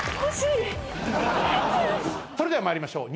それでは参りましょう。